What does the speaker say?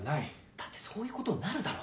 だってそういうことになるだろ？